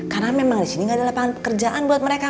karena memang di sini gak ada lapangan pekerjaan buat mereka